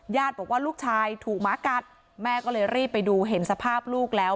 บอกว่าลูกชายถูกหมากัดแม่ก็เลยรีบไปดูเห็นสภาพลูกแล้ว